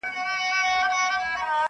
تا هم کړي دي د اور څنګ ته خوبونه؟!٫